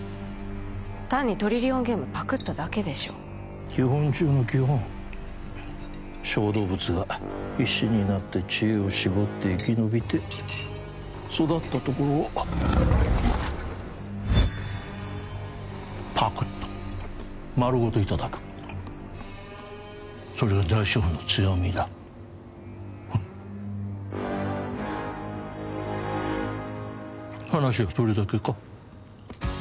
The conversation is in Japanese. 単にトリリオンゲームパクっただけでしょ基本中の基本小動物が必死になって知恵を絞って生き延びて育ったところをパクッと丸ごといただくそれが大資本の強みだ話はそれだけか？